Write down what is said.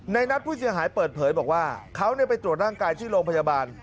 นัดผู้เสียหายเปิดเผยบอกว่าเขาไปตรวจร่างกายที่โรงพยาบาล